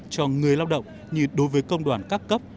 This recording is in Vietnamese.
cho người lao động như đối với công đoàn các cấp